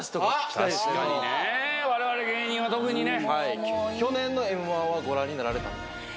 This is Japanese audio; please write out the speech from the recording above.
我々芸人は特にね。